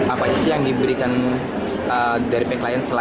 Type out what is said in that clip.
apa isi yang diberikan dari klien lion air